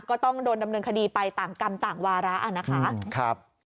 ก็ต้องโดนดำเนินคดีไปต่างกรรมต่างวาระนะคะ